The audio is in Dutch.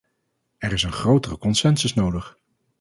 Er is een grotere consensus nodig.